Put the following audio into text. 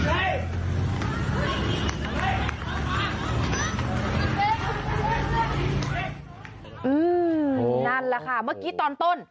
นั่นแหละค่ะเมื่อกี้ตอนต้น